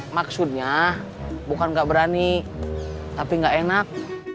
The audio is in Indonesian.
maksudnya bukan gak berani tapi gak enak